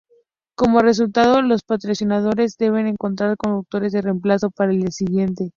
Como resultado, los patrocinadores deben encontrar conductores de reemplazo para el día siguiente.